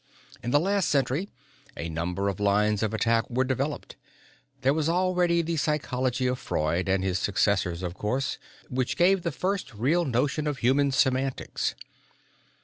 "In the last century a number of lines of attack were developed. There was already the psychology of Freud and his successors, of course, which gave the first real notion of human semantics.